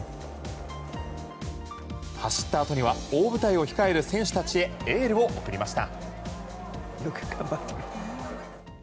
走ったあとには大舞台を控える選手たちへエールを送りました。